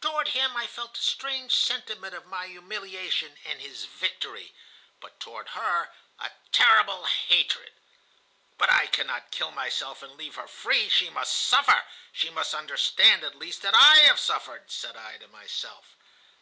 Toward him I felt a strange sentiment of my humiliation and his victory, but toward her a terrible hatred. "'But I cannot kill myself and leave her free. She must suffer, she must understand at least that I have suffered,' said I to myself.